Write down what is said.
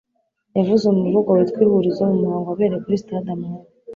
yavuze umuvugo witwa “Ihurizo” mu muhango wabereye kuri Stade Amahoro